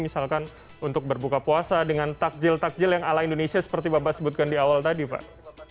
misalkan untuk berbuka puasa dengan takjil takjil yang ala indonesia seperti bapak sebutkan di awal tadi pak